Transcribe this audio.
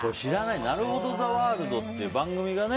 「なるほど！ザ・ワールド」っていう番組がね。